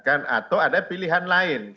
atau ada pilihan lain